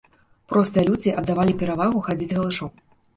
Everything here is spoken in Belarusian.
Простыя людзі аддавалі перавагу хадзіць галышом.